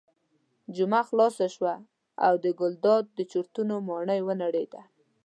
جمعه خلاصه شوه او د ګلداد د چورتونو ماڼۍ ونړېده.